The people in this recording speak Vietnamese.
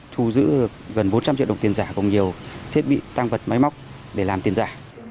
thu giữ gần bốn trăm linh triệu đồng tiền giả cùng nhiều thiết bị tăng vật máy móc để làm tiền giả